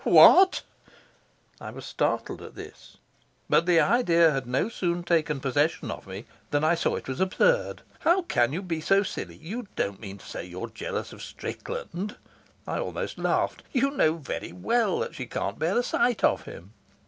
"What!" I was startled at this, but the idea had no sooner taken possession of me than I saw it was absurd. "How can you be so silly? You don't mean to say you're jealous of Strickland?" I almost laughed. "You know very well that she can't bear the sight of him."